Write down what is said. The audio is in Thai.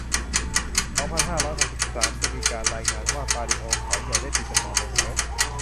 สองพันห้าร้อยหกสิบสาม จะมีการรายงานว่า ปาลิโอ เขาใหญ่ ได้ปิดตำนานลงแล้ว